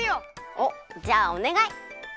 おっじゃあおねがい！